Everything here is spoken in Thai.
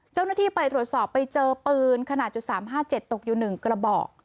เจ้าหน้าที่ไปตรวจสอบไปเจอปืนขนาดจุดสามห้าเจ็ดตกอยู่หนึ่งกระบอก